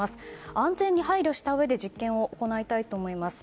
安全に配慮したうえで実験を行いたいと思います。